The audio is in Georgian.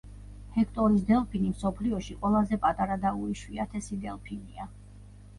ჰექტორის დელფინი მსოფლიოში ყველაზე პატარა და უიშვიათესი დელფინია.